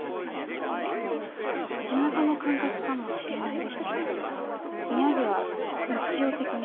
えっと地元の感覚かもしれないですけど宮城は日常的に風が強いです。